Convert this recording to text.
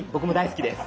好きです。